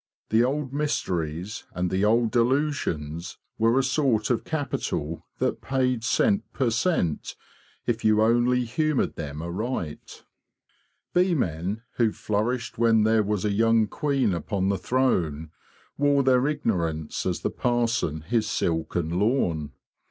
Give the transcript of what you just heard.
The old mysteries and the old delusions were a sort of capital that paid cent per cent if you only humoured them aright. Bee men, who flourished when there was a young queen upon the threne, wore their ignorance as the parson his silk and lawn.